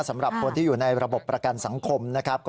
สำหรับคนที่อยู่ในระบบประกันสังคมนะครับ